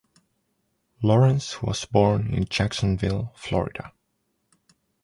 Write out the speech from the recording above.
Lawrence was born in Jacksonville, Florida.